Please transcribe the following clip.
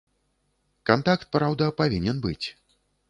Кантакт, праўда, павінен быць.